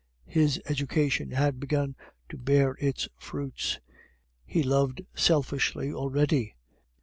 His education had begun to bear its fruits; he loved selfishly already.